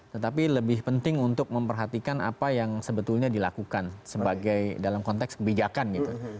tetapi lebih penting untuk memperhatikan apa yang sebetulnya dilakukan sebagai dalam konteks kebijakan gitu